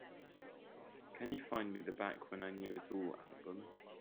Can you find me the Back When I Knew It All album?